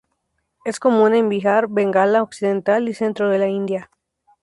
Es común en Bihar, Bengala Occidental y centro de la India.